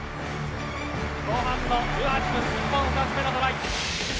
後半の１８分日本、２つ目のトライ。